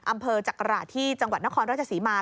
อำเพิร์ตจักระธิจังหวัดนครราชสีมา